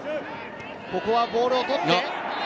ここはボールを取って。